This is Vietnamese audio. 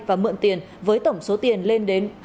và mượn tiền với tổng số tiền lên đến